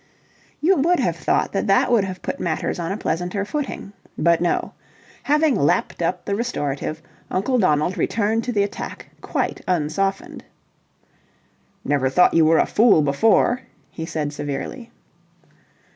You would have thought that that would have put matters on a pleasanter footing. But no. Having lapped up the restorative, Uncle Donald returned to the attack quite un softened. "Never thought you were a fool before," he said severely.